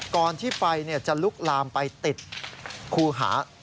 ก่อนที่ไฟจะลุกลามไปติดคูหา